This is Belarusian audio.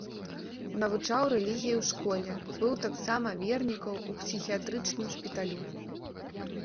Навучаў рэлігіі ў школе, быў таксама вернікаў у псіхіятрычным шпіталю.